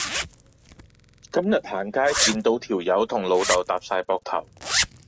今日行街見到條友同老豆搭哂膊頭